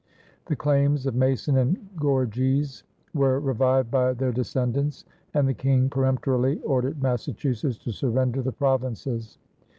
The claims of Mason and Gorges were revived by their descendants, and the King peremptorily ordered Massachusetts to surrender the provinces.